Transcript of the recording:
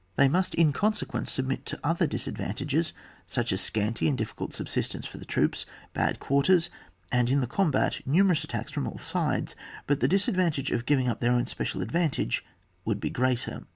They must in consequence sub mit to other disadvantages, such as scanty and difficult subsistence for the troops, bad quarters, and in the combat numerous attacks from all sides ; but the disadvan tage of giving up their own special advantage would be greater.